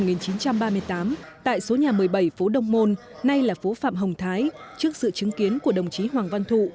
ngày hai mươi sáu tháng tám năm một nghìn chín trăm ba mươi tám tại số nhà một mươi bảy phố đông môn nay là phố phạm hồng thái trước sự chứng kiến của đồng chí hoàng văn thụ